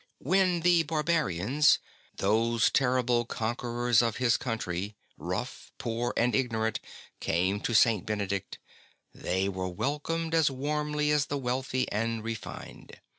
When the barbarians, those terrible conquerors of his country, rough, poor, and ignorant, came to St. Benedict, they were welcomed as warmJy as the wealthy and refined.